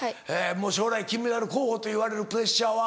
将来金メダル候補といわれるプレッシャーは？